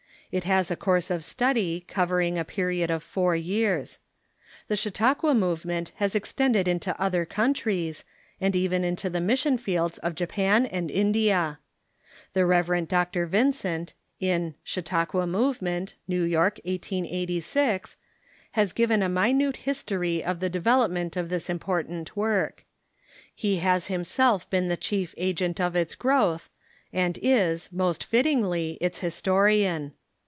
It has a course of study covering a period of four years. The Chautauqua movement has extended into other countries, and even into the mission fields of Japan and India. The Rev. Dr. Vincent, in "Chau tauqua Movement" (N. Y., 1886), has given a minute history of the development of this important work. He has himself been the chief agent of its growth, and is, most fittingly, its historian.